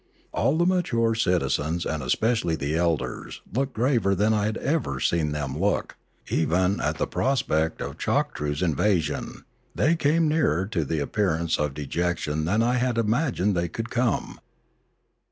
All the mature citizens and especially the elders looked graver than I had ever seen them look, even at the prospect of Choktroo's invasion; they came nearer to the appearance of dejection than I had imagined they could come.